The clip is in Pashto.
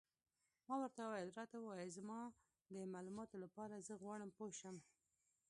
ما ورته وویل: راته ووایه، زما د معلوماتو لپاره، زه غواړم پوه شم.